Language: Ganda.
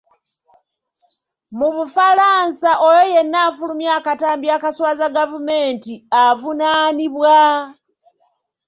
Mu Bufalansa oyo yenna afulumya akatambi akaswaza gavumenti avunaanibwa.